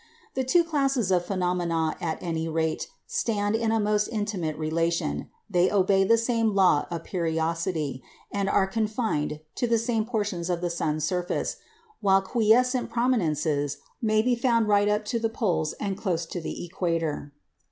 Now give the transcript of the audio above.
The two classes of phenomena, at any rate, stand in a most intimate relation; they obey the same law of periodicity, and are confined to the same portions of the sun's surface, while quiescent prominences may be found right up to the poles and close to the equator.